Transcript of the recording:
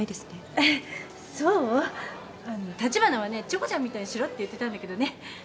チョコちゃんみたいにしろって言ってたんだけどね。